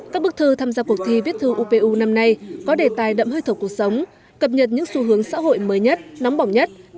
các bức thư tham gia cuộc thi viết thư upu năm nay có đề tài đậm hơi thở cuộc sống cập nhật những xu hướng xã hội mới nhất nóng bỏng nhất